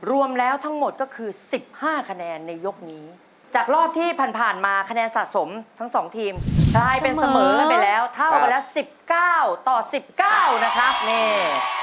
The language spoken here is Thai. รวมแล้วทั้งหมดก็คือสิบห้าคะแนนในยกนี้จากรอบที่ผ่านผ่านมาคะแนนสะสมทั้งสองทีมได้เป็นเสมอไปแล้วเท่ากันแล้วสิบเก้าต่อสิบเก้านะครับนี่